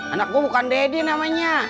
anak gue bukan deddy namanya